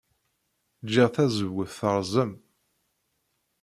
Ǧǧiɣ tazewwut terẓem.